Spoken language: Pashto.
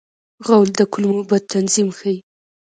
غول د کولمو بد تنظیم ښيي.